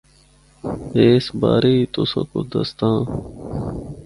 میں اس بارے ای تُساں کو دسداں آں۔